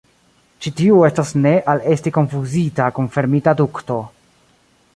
Ĉi tiu estas ne al esti konfuzita kun fermita dukto.